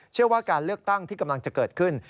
เชื่อว่าการเลือกตั้งที่กำลังจะเกิดขึ้น